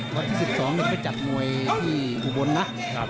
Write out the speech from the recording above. พอที่๑๒นี่ก็จัดมวยที่อุบลนะ